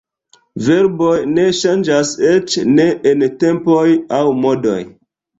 Verboj ne ŝanĝas eĉ ne en tempoj aŭ modoj.